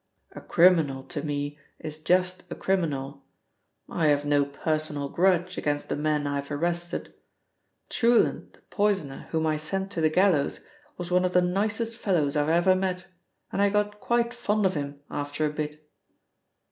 "A criminal to me is just a criminal. I have no personal grudge against the men I have arrested. Truland, the poisoner, whom I sent to the gallows, was one of the nicest fellows I've ever met, and I got quite fond of him after a bit."